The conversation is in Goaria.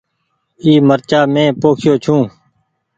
اي مرچآ مين پوکيو ڇون۔